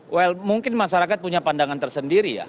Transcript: well mungkin masyarakat punya pandangan tersendiri ya